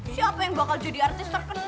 siapa yang bakal jadi artis terpenuhi